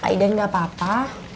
pak idan gak apa apa